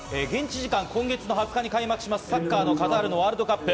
現地時間、今月２０日に開幕するサッカー・カタールワールドカップ。